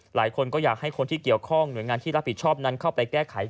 หลายคนก็อยากให้คนที่เกี่ยวข้องหน่วยงานที่รับผิดชอบนั้นเข้าไปแก้ไข